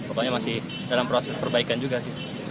pokoknya masih dalam proses perbaikan juga sih